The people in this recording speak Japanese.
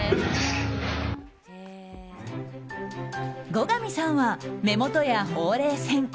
後上さんは目元や、ほうれい線。